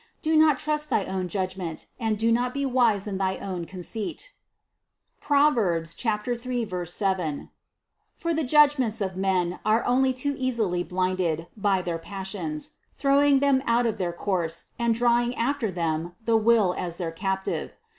Do not trust thy own judgment, and be not wise in thy own conceit (Prov. 3, 7), for the judg ments of men are only too easily blinded by their pas sions, throwing them out of their course and drawing after them the will as their captive.